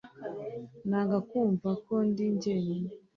nanga kumva ko ndi jyenyine